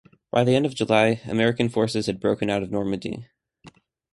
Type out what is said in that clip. By the end of July, American forces had broken out of Normandy.